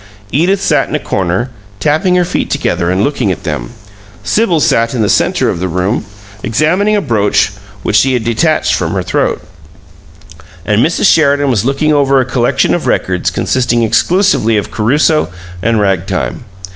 Edith sat in a corner, tapping her feet together and looking at them; Sibyl sat in the center of the room, examining a brooch which she had detached from her throat; and Mrs. Sheridan was looking over a collection of records consisting exclusively of Caruso and rag time.